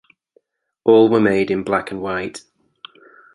All were made in black-and-white.